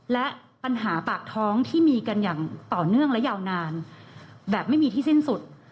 และปัญหาปากท้องที่มีกันอย่างต่อเนื่องและยาวนานแบบไม่มีที่สิ้นสุด